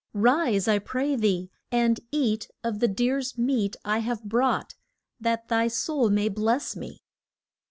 Rise, I pray thee, and eat of the deer's meat I have brought, that thy soul may bless me.